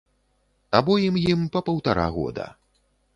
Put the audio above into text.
Абоім ім па паўтара года.